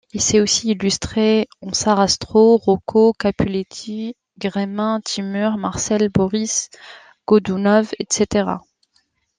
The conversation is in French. Il s'est aussi illustré en Sarastro, Rocco, Capuleti, Gremin, Timur, Marcel, Boris Godounov, etc.